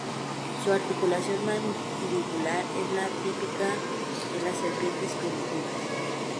Su articulación mandibular es la típica de las serpientes primitivas.